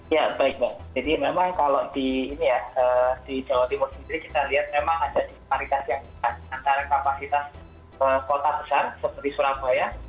ya baik jadi memang kalau di jawa timur sendiri kita lihat memang ada disparitas yang besar antara kapasitas kota besar seperti surabaya